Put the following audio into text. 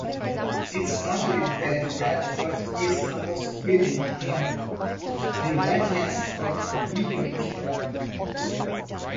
It is naturally very bright but is almost hidden in the radiance of Merope.